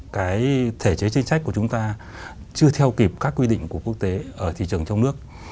cái việc của chúng ta chưa theo kịp các quy định của quốc tế ở thị trường trong nước